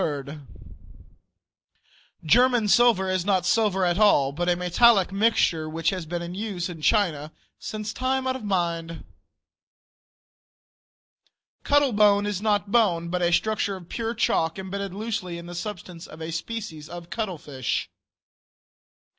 German silver is not silver at all, but a metallic mixture which has been in use in China time out of mind. Cuttle bone is not bone, but a structure of pure chalk imbedded loosely in the substance of a species of cuttlefish.